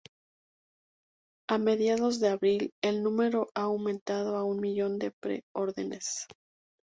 A mediados de abril, el número ha aumentado a un millón de pre-órdenes.